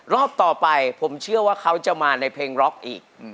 รอบต่อไปผมเชื่อว่าเขาจะมาในเพลงร็อกอีก